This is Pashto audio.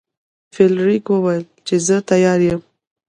فلیریک وویل چې زه تیار یم.